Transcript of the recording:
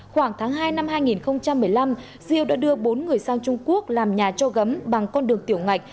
khoảng tháng hai năm hai nghìn một mươi năm diêu đã đưa bốn người sang trung quốc làm nhà cho gấm bằng con đường tiểu ngạch